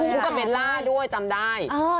ลูกกับเมล่าจำได้